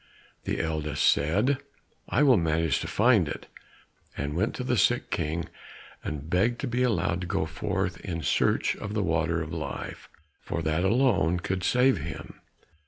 The eldest said, "I will manage to find it," and went to the sick King, and begged to be allowed to go forth in search of the water of life, for that alone could save him.